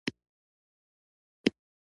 د اوسني انسان علم بدل شوی دی.